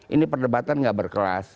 ini perdebatan nggak berkelas